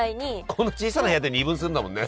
この小さな部屋で二分するんだもんね。